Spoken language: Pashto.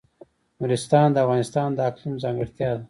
نورستان د افغانستان د اقلیم ځانګړتیا ده.